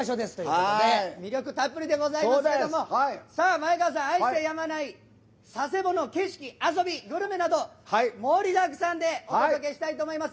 魅力たっぷりでございますけれども前川さんが愛してやまない佐世保の景色、遊び、グルメなど盛りだくさんでお届けしたいと思います。